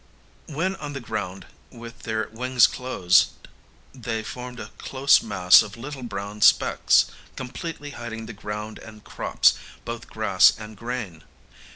When on the ground, with their wings closed, they formed a close mass of little brown specks, completely hiding the ground and crops, both grass and grain.